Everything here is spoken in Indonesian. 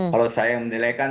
kalau saya menilaikan